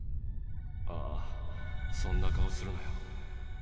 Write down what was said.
ああそんな顔するなよ。